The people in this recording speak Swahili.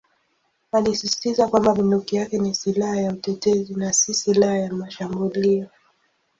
Alisisitiza kwamba bunduki yake ni "silaha ya utetezi" na "si silaha ya mashambulio".